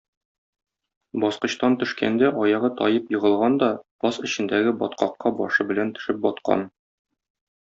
Баскычтан төшкәндә аягы таеп егылган да баз эчендәге баткакка башы белән төшеп баткан.